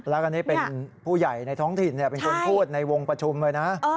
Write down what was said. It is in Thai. แล้วก็นี่เป็นผู้ใหญ่ในท้องถิ่นเป็นคนพูดในวงประชุมเลยนะ